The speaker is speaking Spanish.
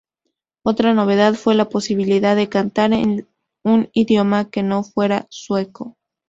Otra novedad fue la posibilidad de cantar en un idioma que no fuera sueco.